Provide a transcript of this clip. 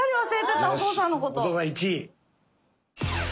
お父さん１位。